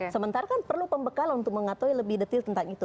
sementara kan perlu pembekalan untuk mengataui lebih detail tentang itu